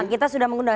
kita sudah mengundang